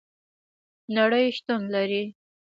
نړۍ شتون لري